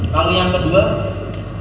kalau yang kedua